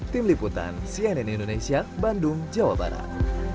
tim liputan cnn indonesia bandung jawa barat